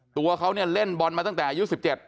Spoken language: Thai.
ตัวเขาเนี่ยเล่นบอลมาตั้งแต่อายุ๑๗